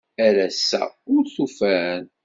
Ar ass-a ur tufan.